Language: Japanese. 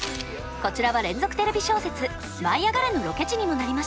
こちらは連続テレビ小説「舞いあがれ！」のロケ地にもなりました。